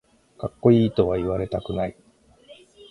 かっこいいとは言われたくない